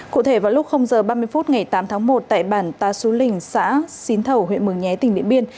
cụ thể vào lúc h ba mươi phút ngày tám tháng một tại bản ta xu linh xã xín thầu huyện mường nhé tỉnh điện biên